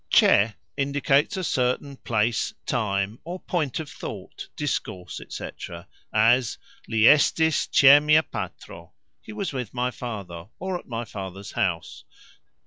"Cxe" indicates a certain "place, time", or "point of thought, discourse", etc., as, "Li estis cxe mia patro", He was with my father, or at my father's house.